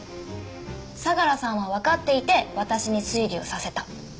相良さんはわかっていて私に推理をさせた。